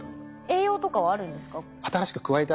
栄養とかはあるんですか？